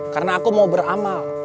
karena aku mau beramal